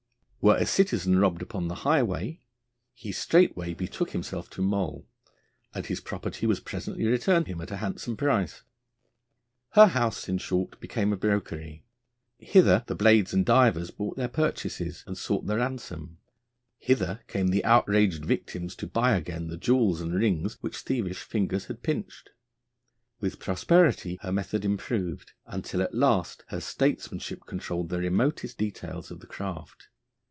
Were a citizen robbed upon the highway, he straightway betook himself to Moll, and his property was presently returned him at a handsome price. Her house, in short, became a brokery. Hither the blades and divers brought their purchases, and sought the ransom; hither came the outraged victims to buy again the jewels and rings which thievish fingers had pinched. With prosperity her method improved, until at last her statesmanship controlled the remotest details of the craft.